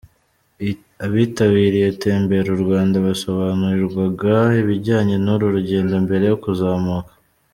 Abitabiriye Tembera u Rwanda basobanurirwaga ibijyanye n'uru rugendo mbere yo kuzamuka.